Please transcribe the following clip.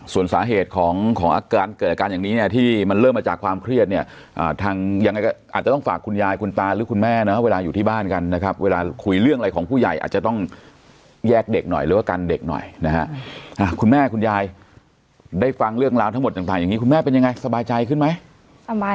ส่วนสาเหตุของอาการเกิดอาการอย่างนี้เนี่ยที่มันเริ่มมาจากความเครียดเนี่ยทางยังไงก็อาจจะต้องฝากคุณยายคุณตาหรือคุณแม่นะเวลาอยู่ที่บ้านกันนะครับเวลาคุยเรื่องอะไรของผู้ใหญ่อาจจะต้องแยกเด็กหน่อยหรือว่ากันเด็กหน่อยนะฮะคุณแม่คุณยายได้ฟังเรื่องราวทั้งหมดต่างอย่างนี้คุณแม่เป็นยังไงสบายใจขึ้นไหม